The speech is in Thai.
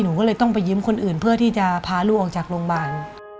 หนูก็เลยต้องไปยิ้มคนอื่นเพื่อที่จะพาลูกออกจากโรงพยาบาล